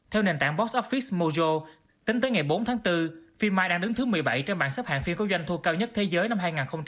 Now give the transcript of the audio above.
theo nền tảng box office mogho tính tới ngày bốn tháng bốn phim mai đang đứng thứ một mươi bảy trên bảng xếp hạng phim có doanh thu cao nhất thế giới năm hai nghìn hai mươi bốn